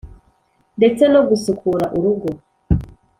ndetse no gusukura urugo.